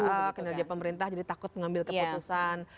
kinerja pemerintah jadi takut mengambil keputusan